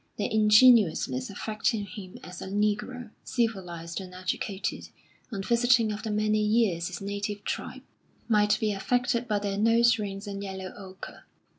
Their ingenuousness affected him as a negro, civilised and educated, on visiting after many years his native tribe, might be affected by their nose rings and yellow ochre.